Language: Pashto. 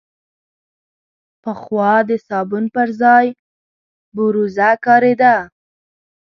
پخوا د صابون پر ځای بوروزه کارېده.